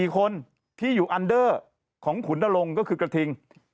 ๔คนที่อยู่อันเดอร์ของขุนนรงค์ก็คือกระทิง